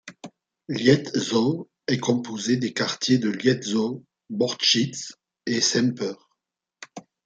Lietzow est composé des quartiers de Lietzow, Borchtitz et Semper.